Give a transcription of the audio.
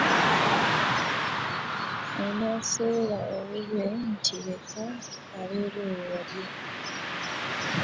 Anaaseera owuwe nti leka ab’ebweru balye.